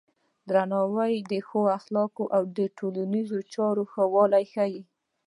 درناوی د ښو اخلاقو او د ټولنیزو چارو ښه والی ښيي.